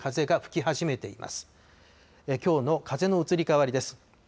きょうの風の移り変わりです。